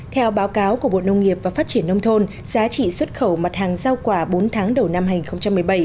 theo báo cáo của bộ nông nghiệp và phát triển nông thôn giá trị xuất khẩu mặt hàng giao quả bốn tháng đầu năm hai nghìn một mươi bảy